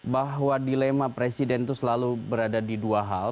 bahwa dilema presiden itu selalu berada di dua hal